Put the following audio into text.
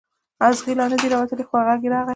اغزی لا نه دی راوتلی خو غږ یې راغلی.